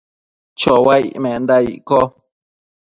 chouaic menda icco ?